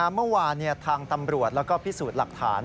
เมื่อวานทางตำรวจและพิสูจน์หลักฐาน